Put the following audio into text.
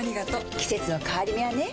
季節の変わり目はねうん。